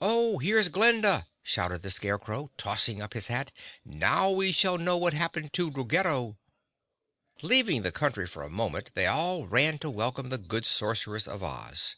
"Oh! Here's Glinda," shouted the Scarecrow, tossing up his hat. "Now we shall know what's happened to Ruggedo." Leaving the Country for a moment, they all ran to welcome the good Sorceress of Oz.